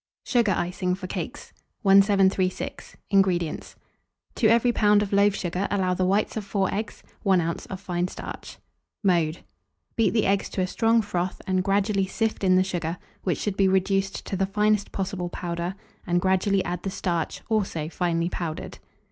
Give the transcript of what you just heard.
SUGAR ICING FOR CAKES. 1736. INGREDIENTS. To every lb. of loaf sugar allow the whites of 4 eggs, 1 oz. of fine starch. Mode. Beat the eggs to a strong froth, and gradually sift in the sugar, which should be reduced to the finest possible powder, and gradually add the starch, also finely powdered.